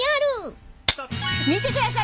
見てください。